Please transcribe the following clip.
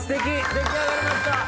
出来上がりました！